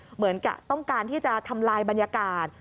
เหมือนกับต้องการที่จะทำลายบรรยากาศ